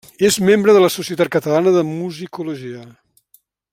És membre de la Societat Catalana de Musicologia.